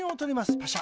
パシャ。